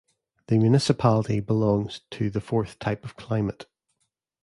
The municipality belongs to the fourth type of climate.